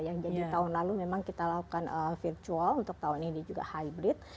jadi tahun lalu memang kita lakukan virtual untuk tahun ini juga hybrid